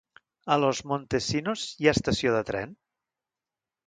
A Los Montesinos hi ha estació de tren?